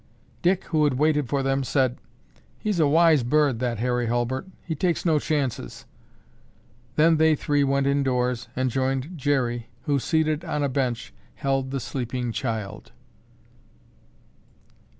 Dick, who had waited for them, said, "He's a wise bird, that Harry Hulbert. He takes no chances." Then they three went indoors and joined Jerry who, seated on a bench, held the sleeping child.